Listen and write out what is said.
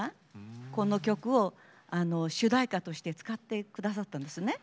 この曲を主題歌として使ってくださったんですね。